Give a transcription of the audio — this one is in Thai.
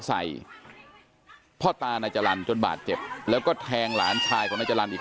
ใส่พ่อตานายจรรย์จนบาดเจ็บแล้วก็แทงหลานชายของนายจรรย์อีก